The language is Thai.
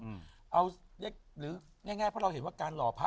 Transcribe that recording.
ง่ายเพราะเราเห็นว่าการหล่อพระ